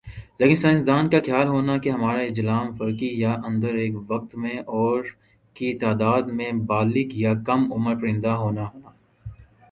لیکن سائنسدان کا خیال ہونا کہ ہمارہ اجرام فلکی کا اندر ایک وقت میں اور کی تعداد میں بالغ یا کم عمر پرندہ ہونا ہونا